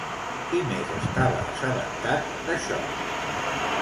Qui més estava assabentat d'això?